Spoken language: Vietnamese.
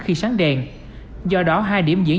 khi sáng đèn do đó hai điểm diễn